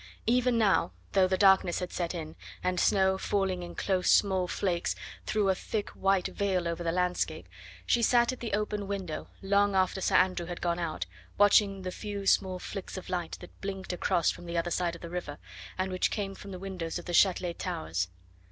Even now, though the darkness had set in, and snow, falling in close, small flakes, threw a thick white veil over the landscape, she sat at the open window long after Sir Andrew had gone out, watching the few small flicks of light that blinked across from the other side of the river, and which came from the windows of the Chatelet towers.